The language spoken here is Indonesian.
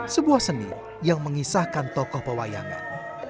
sebuah seni yang mengisahkan tokoh pewayangan